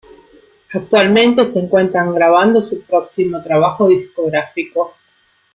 Actualmente se encuentran grabando su próximo trabajo discográfico.